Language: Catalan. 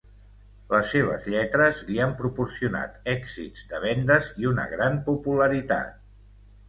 Les seves lletres li han proporcionat èxits de vendes i una gran popularitat.